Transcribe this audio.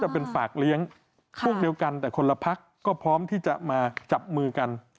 พวกเดียวกันแต่คนละพักก็พร้อมที่จะมาจับมือกัน